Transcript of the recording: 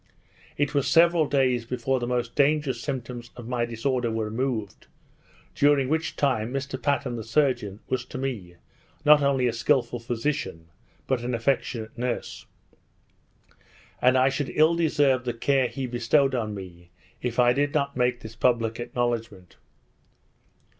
It was several days before the most dangerous symptoms of my disorder were removed; during which time, Mr Patten the surgeon was to me, not only a skilful physician, but an affectionate nurse; and I should ill deserve the care he bestowed on me, if I did not make this public acknowledgment.